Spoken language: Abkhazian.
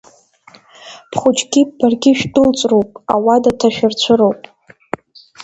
Бхәыҷгьы баргьы шәдәылҵроуп, ауада ҭашәырцәыроуп…